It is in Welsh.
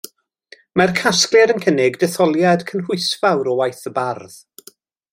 Mae'r casgliad yn cynnig detholiad cynhwysfawr o waith y bardd.